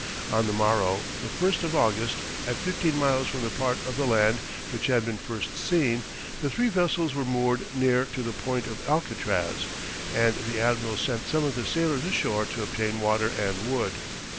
On the morrow, the 1st of August, at fifteen miles from the part of the land which had been first seen, the three vessels were moored near to the Point of Alcatraz, and the admiral sent some of his sailors ashore to obtain water and wood.